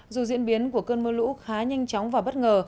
dù diễn biến của cơn mưa lũ khá nhanh chóng và bất ngờ